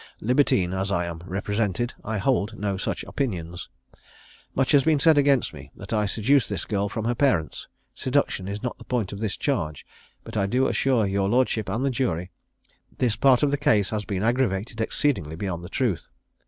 Libertine as I am represented, I hold no such opinions. Much has been said against me, that I seduced this girl from her parents: seduction is not the point of this charge; but I do assure your lordship and the jury, this part of the case has been aggravated exceedingly beyond the truth.